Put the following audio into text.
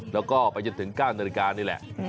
แล้วก็ไปจนถึง๙นาฬิกานี่แหละ